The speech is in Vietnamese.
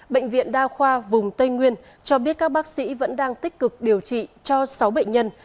bệnh viện đa khoa vùng tây nguyên cho biết các bác sĩ vẫn đang tích cực điều trị cho sáu bệnh nhân